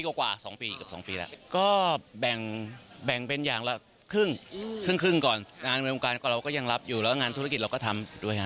ก็แบ่งแบ่งเป็นอย่างละครึ่งครึ่งครึ่งก่อนเราก็ยังรับอยู่แล้วงานธุรกิจเราก็ทำด้วยฮะ